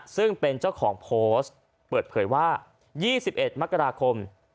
ซึ่งเป็นเจ้าของโพสต์เปิดเผยว่า๒๑มกราคม